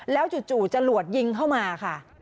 แล้วจู่จรวดยิงเข้ามาค่ะ